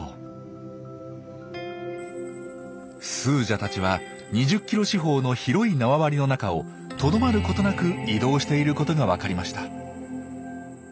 スージャたちは２０ｋｍ四方の広い縄張りの中をとどまることなく移動していることがわかりました。